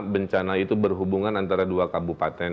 bencana itu berhubungan antara dua kabupaten